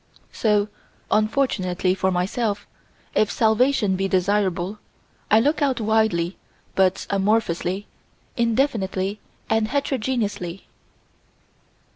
So, unfortunately for myself, if salvation be desirable, I look out widely but amorphously, indefinitely and heterogeneously.